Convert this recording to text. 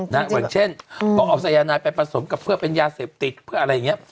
อย่างเช่นต้องเอาสายนายไปผสมกับเพื่อเป็นยาเสพติดเพื่ออะไรอย่างนี้